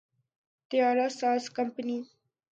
طیارہ ساز کمپنی